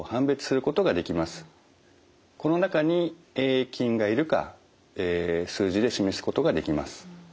この中にＡ．ａ．菌がいるか数字で示すことができます。